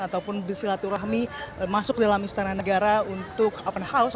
ataupun bersilaturahmi masuk dalam istana negara untuk open house